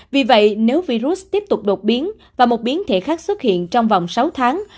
vì vậy nếu virus tiếp tục đột biến và một biến thể khác xuất hiện trong vòng sáu tháng